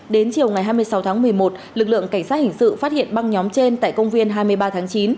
đến chiều ngày hai mươi sáu tháng một mươi một lực lượng cảnh sát hình sự phát hiện băng nhóm trên tại công viên hai mươi ba tháng chín